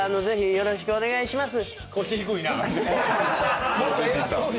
よろしくお願いします